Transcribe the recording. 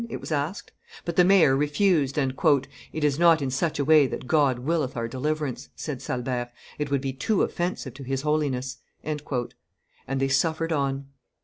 it was asked: but the mayor refused; and, "It is not in such a way that God willeth our deliverance," said Salbert; "it would be too offensive to His holiness." And they suffered on.